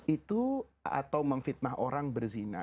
itu atau memfitnah orang berzina